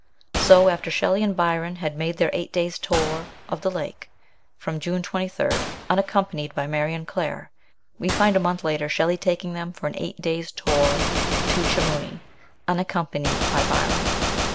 So after Shelley and Byron had made their eight days' tour of the lake, from June 23, unaccompanied by Mary and Claire, we find a month later Shelley taking them for an eight days' tour to Chamouni, unaccompanied by Byron.